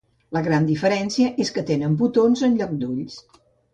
La gran diferència és que tenen botons en lloc d'ulls.